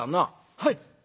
「はい」。